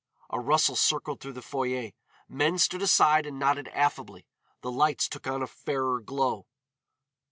A rustle circled through the foyer, men stood aside and nodded affably. The lights took on a fairer glow.